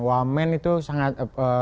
wamen itu sangat